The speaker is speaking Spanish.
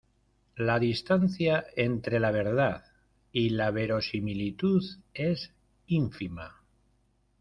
La distancia entre la verdad y la verosimilitud es ínfima.